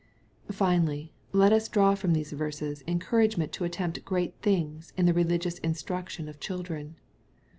Finally, let us draw from these verses encouragement to attempt great things in the religious instruction of children.